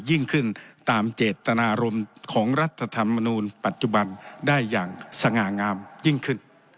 ยิ่งขึ้นตามเจตนารมณ์ของรัฐธรรมนูลปัจจุบันได้อย่างสง่างามยิ่งขึ้น